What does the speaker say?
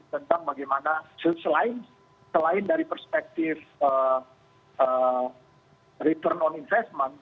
tentang bagaimana selain dari perspektif return on investment